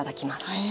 へえ。